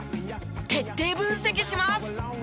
徹底分析します。